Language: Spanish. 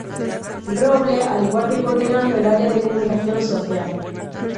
Robles, al igual que coordinando el área de comunicación social.